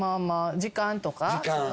時間とか。